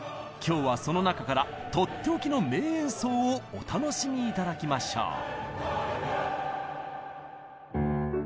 今日はその中からとっておきの名演奏をお楽しみ頂きましょう。